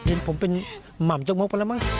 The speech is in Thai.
เห็นผมเป็นหม่ำจกมะโกะละมั้ง